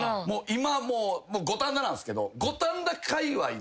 今五反田なんすけど。